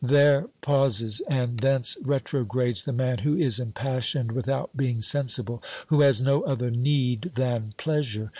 There pauses, and thence retrogrades the man who is impassioned without being sensible, who has no other need than pleasure.